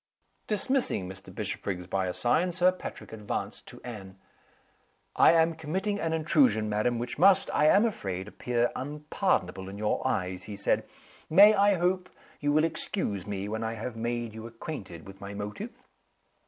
Dismissing Mr. Bishopriggs by a sign, Sir Patrick advanced to Anne. "I am committing an intrusion, madam which must, I am afraid, appear unpardonable in your eyes," he said. "May I hope you will excuse me when I have made you acquainted with my motive?"